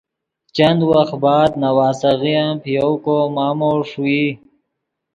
چند وخت بعد نواسیغے ام پے یؤ کو مامو ݰوئی